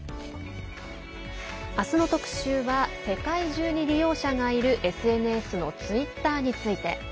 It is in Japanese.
明日の特集は世界中に利用者がいるＳＮＳのツイッターについて。